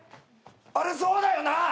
あれそうだよな？